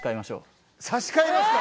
差し替えますか！